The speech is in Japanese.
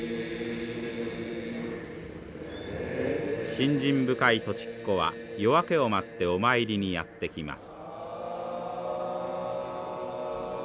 信心深い土地っ子は夜明けを待ってお参りにやって来ます。